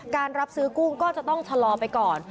รับซื้อกุ้งก็จะต้องชะลอไปก่อน